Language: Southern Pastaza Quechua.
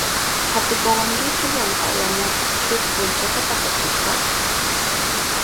¿Atipawankichu yanapawanata shuk punchata pasachishpa?